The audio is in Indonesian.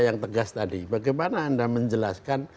yang tegas tadi bagaimana anda menjelaskan